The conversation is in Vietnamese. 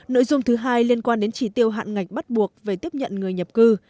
nội dung thứ hai liên quan đến chỉ tiêu hạn ngạch bắt buộc về tiếp nhận người nhập cư